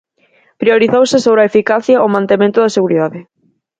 Priorizouse sobre a eficacia o mantemento da seguridade.